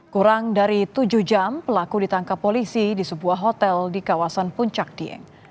kurang dari tujuh jam pelaku ditangkap polisi di sebuah hotel di kawasan puncak dieng